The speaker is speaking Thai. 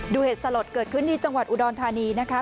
เหตุสลดเกิดขึ้นที่จังหวัดอุดรธานีนะคะ